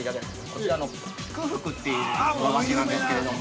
こちらの喜久福という和菓子なんですけれども。